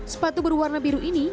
sepatu berwarna biru ini